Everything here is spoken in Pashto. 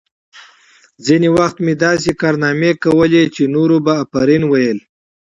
ځینې وخت مې داسې کارنامې کولې چې نورو به آفرین ویل